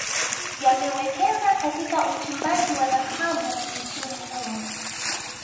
Yamewekeza Katika uchimbaji wa dhahabu nchini humo